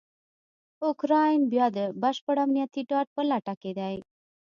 اوکرایین بیا دبشپړامنیتي ډاډ په لټه کې دی.